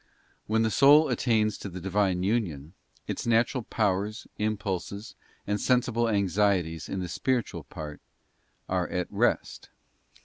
When the soul attains to the Divine union, its natural powers, impulses, and sensible anxieties in the spiritual part, are at rest.